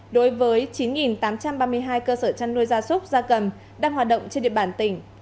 đối với chín tám trăm ba mươi hai cơ sở chăn nuôi gia súc gia cầm đang hoạt động trên địa bàn tỉnh